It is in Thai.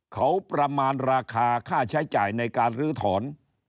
เขาประมาณราคาค่าใช้จ่ายในการลื้อถอน